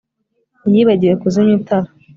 yibagiwe kuzimya itara